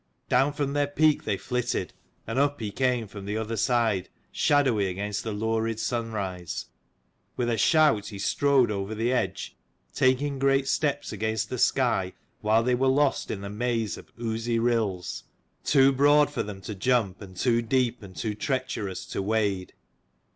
Down from their peak they flitted, and up he came from the other side, shadowy against the lurid sunrise. With a shout he strode over the edge, taking great steps against the sky, while 141 they were lost in the maze of oozy rills, too broad for them to jump, and too deep and too treacherous to wade.